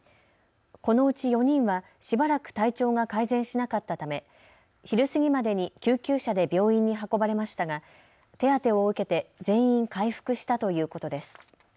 このうち４人はしばらく体調が改善しなかったため昼過ぎまでに救急車で病院に運ばれましたが手当てを受けて全員回復したということです。